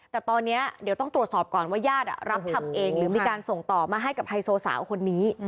แต่ตอนนี้เดี๋ยวต้องตรวจสอบก่อนว่าญาติรับทำเองหรือมีการส่งต่อมาให้กับไฮโซสาวคนนี้